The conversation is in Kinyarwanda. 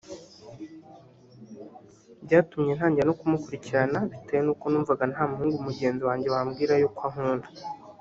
byatumye ntangira no kumukurikirana bitewe n’uko numvaga nta muhungu mugenzi wanjye wambwira y’uko ankunda”